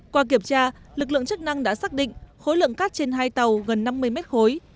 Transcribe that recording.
qua kiểm tra lực lượng chức năng đã xác định khối lượng cát trên hai tàu gần năm mươi mét khối